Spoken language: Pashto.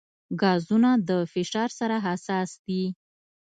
ګازونه د فشار سره حساس دي.